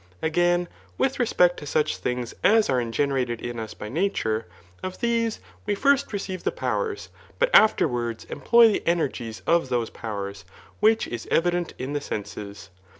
Again, with respect to such things as are ingenerated in us by nature, of these, we first receive the powers, but afterwards employ the energies of those powers ; which is evident in the senses.